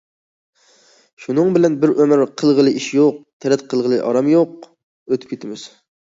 شۇنىڭ بىلەن بىر ئۆمۈر« قىلغىلى ئىش يوق، تەرەت قىلغىلى ئارام يوق» ئۆتۈپ كېتىمىز.